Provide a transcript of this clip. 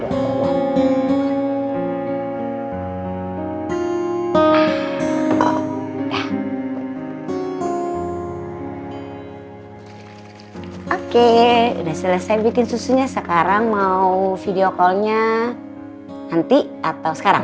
oke udah selesai bikin susunya sekarang mau video callnya nanti atau sekarang